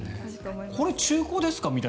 これ、中古ですか？